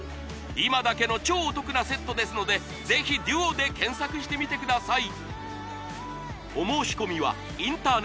今だけの超お得なセットですのでぜひＤＵＯで検索してみてください